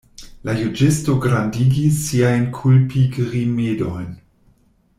La juĝisto gradigis siajn kulpigrimedojn.